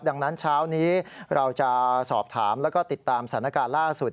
ดังนั้นเช้านี้เราจะสอบถามแล้วก็ติดตามสถานการณ์ล่าสุด